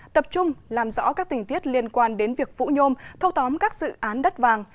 tập trung làm rõ các tình tiết liên quan đến việc vũ nhôm thâu tóm các dự án đất vàng